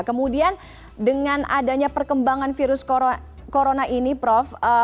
kemudian dengan adanya perkembangan virus corona ini prof